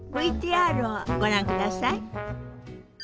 ＶＴＲをご覧ください。